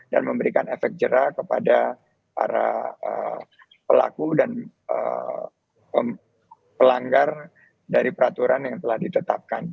dan memberikan efek jerah kepada para pelaku dan pelanggar dari peraturan yang telah ditetapkan